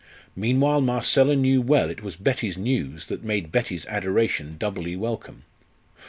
Meanwhile Marcella knew well it was Betty's news that made Betty's adoration doubly welcome.